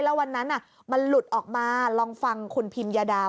แล้ววันนั้นมันหลุดออกมาลองฟังคุณพิมยาดา